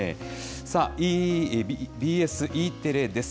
さあ、ＢＳＥテレです。